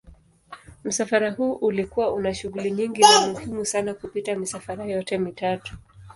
Msafara huu ulikuwa una shughuli nyingi na muhimu sana kupita misafara yote mitatu.